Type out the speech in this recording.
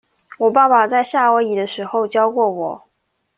我爸爸在夏威夷的時候教過我